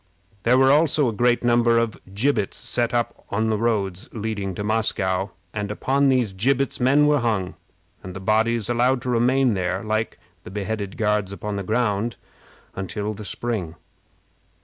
There were also a great number of gibbets set up on all the roads leading to Moscow, and upon these gibbets men were hung, and the bodies allowed to remain there, like the beheaded Guards upon the ground, until the spring.